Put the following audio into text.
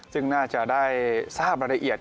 ซึ่งน่าจะได้ทราบรายละเอียด